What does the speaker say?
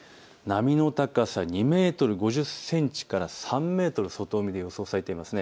波の高さ２メートル５０センチから３メートルが外海で予想されています。